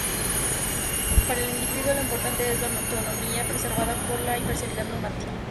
Para el individuo, lo importante es la autonomía preservada por la imparcialidad normativa.